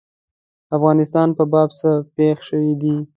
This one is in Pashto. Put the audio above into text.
د افغانستان په باب څه پېښ شوي دي.